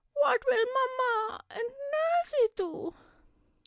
What will Mamma and Nursey do?"